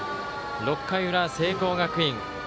６回裏、聖光学院。